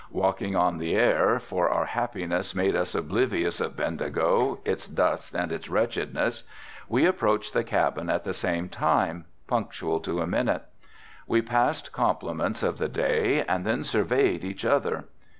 Walking on the air, for our happiness made us oblivious of Bendigo, its dust and its wretchedness, we approached the cabin at the same time, punctual to a minute. We passed compliments of the day and then surveyed each other.